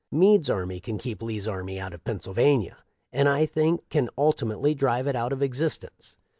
Meade's army can keep Lee's army out of Pennsyl vania, and I think can ultimately drive it out of existence.